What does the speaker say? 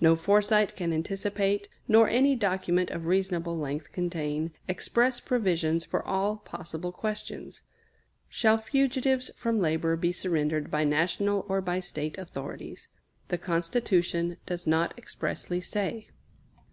No foresight can anticipate, nor any document of reasonable length contain, express provisions for all possible questions. Shall fugitives from labor be surrendered by National or by State authorities? The Constitution does not expressly say.